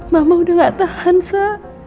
mama udah gak tahan sah